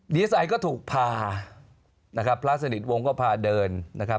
ดีเอสไอต์ก็ถูกพาพระสนิทวงศ์ก็พาเดิน